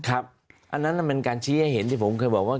อันนั้นเป็นการชี้ให้เห็นที่ผมเคยบอกว่า